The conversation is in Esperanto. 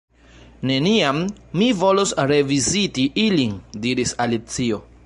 "Neniam mi volos reviziti ilin" diris Alicio.